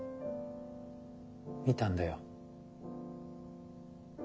見たんだよ。